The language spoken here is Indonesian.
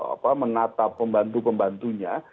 apa menata pembantu pembantunya